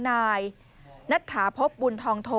นัยนัทหาพครปบุรนธองโทว์